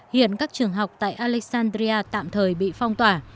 hiện các trường học tại alexandria tạm thời bị phong tỏa